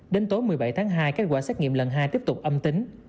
đến tối một mươi bảy tháng hai kết quả xét nghiệm lần hai tiếp tục âm tính